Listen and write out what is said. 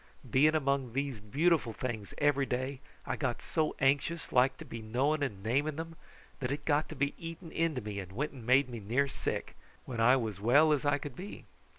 Being among these beautiful things every day, I got so anxious like to be knowing and naming them, that it got to eating into me and went and made me near sick, when I was well as I could be.